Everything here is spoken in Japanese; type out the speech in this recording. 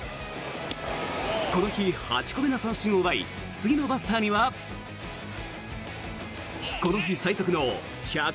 この日８個目の三振を奪い次のバッターにはこの日最速の１６１ｋｍ。